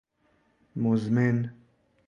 مزمن